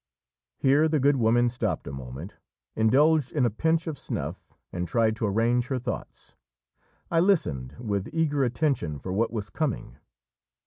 Here the good woman stopped a moment, indulged in a pinch of snuff, and tried to arrange her thoughts. I listened with eager attention for what was coming.